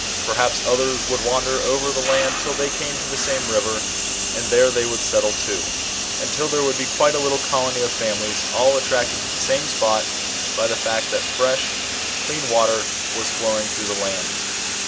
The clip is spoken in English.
Perhaps others would wander ovef the knd till 'they came to the same river, and there they would settle too, until there would be quite a little colony of families all attracted to the same spot by the fact that fresh, clean water, was flow ing througlj the land.